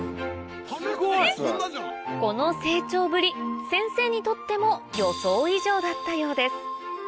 この成長ぶり先生にとっても予想以上だったようです